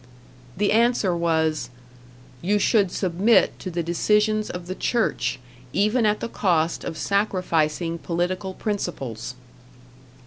The answer was: "You should submit to the decisions of the Church, even at the cost of sacrificing political principles."